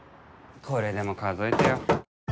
これでも数えてよ。